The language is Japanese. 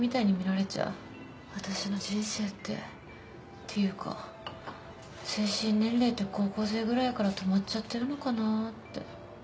私の人生ってていうか精神年齢って高校生ぐらいから止まっちゃってるのかなって。